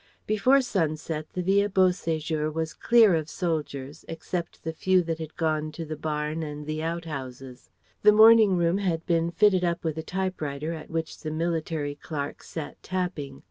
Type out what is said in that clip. Before sunset, the Villa Beau séjour was clear of soldiers, except the few that had gone to the barn and the outhouses. The morning room had been fitted up with a typewriter at which the military clerk sat tapping.